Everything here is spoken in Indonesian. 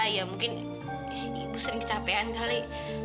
ya mungkin ibu sering kecapean kali